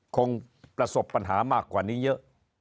คงประสบปัญหามากกว่านี้เยอะ